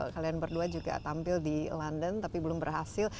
kalian berdua juga tampil di london tapi belum berhasil